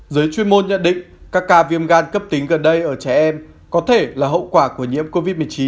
giới chuyên môn nhận định các ca viêm gan cấp tính gần đây ở trẻ em có thể là hậu quả của nhiễm covid một mươi chín